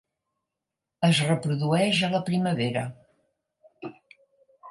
Es reprodueix a la primavera.